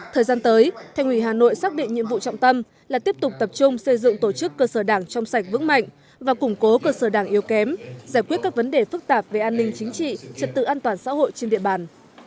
thời gian tới thành ủy hà nội xác định nhiệm vụ trọng tâm là tiếp tục tập trung xây dựng tổ chức cơ sở đảng trong sạch vững mạnh và củng cố cơ sở đảng yếu kém giải quyết các vấn đề phức tạp về an ninh chính trị trật tự an toàn xã hội trên địa bàn